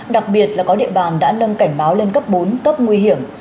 đặc biệt là có địa bàn đã nâng cảnh báo lên cấp bốn cấp nguy hiểm